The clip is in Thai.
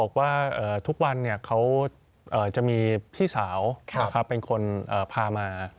คือเด็กก็บอกว่าทุกวันเขาจะมีพี่สาวเป็นคนพามา